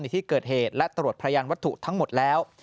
ที่เกิดเหตุและตรวจพยานวัตถุทั้งหมดแล้ว